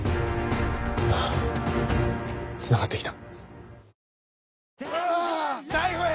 ああ繋がってきた。